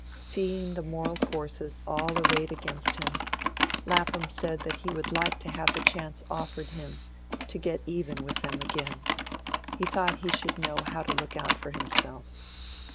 Seeing the moral forces all arrayed against him, Lapham said that he would like to have the chance offered him to get even with them again; he thought he should know how to look out for himself.